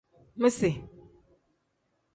Misi.